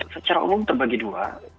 secara umum terbagi dua